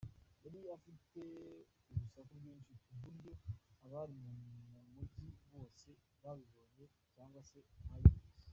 Yari ifite urusaku rwinshi ku buryo abari mu mujyi bose bayibonye cyangwa se bayumvise.